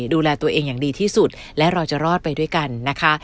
ดูแลตัวเองอย่างดีที่สุดและเราจะรอดไปด้วยกันนะคะ